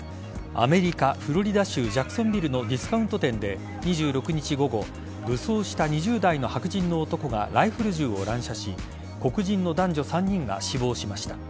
アメリカ・フロリダ州ジャクソンビルのディスカウント店で２６日午後武装した２０代の白人の男がライフル銃を乱射し黒人の男女３人が死亡しました。